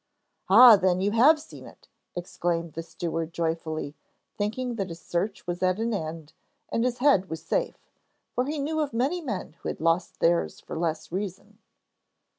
'Ah then, you have seen it!' exclaimed the steward joyfully, thinking that his search was at an end and his head was safe, for he knew of many men who had lost theirs for less reason.